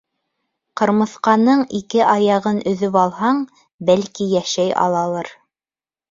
Ҡырмыҫҡаның ике аяғын өҙөп алһаң, бәлки, йәшәй алалыр.